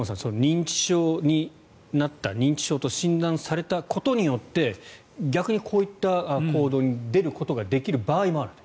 認知症になった認知症と診断されたことによって逆にこういう行動に出ることができる場合もある。